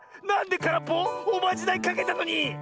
なんでからっぽ⁉おまじないかけたのに。